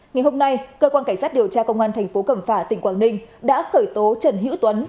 ngày hôm nay cơ quan cảnh sát điều tra công an thành phố cẩm phả tỉnh quảng ninh đã khởi tố trần hữu tuấn